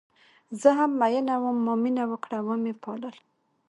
زه هم میینه وم ما مینه وکړه وه مې پالل